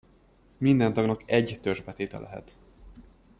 Minden tagnak egy törzsbetéte lehet.